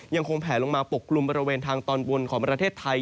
ยังคงแผลลงมาปกกลุ่มบริเวณทางตอนบนของประเทศไทย